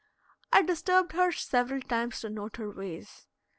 I disturbed her several times to note her ways.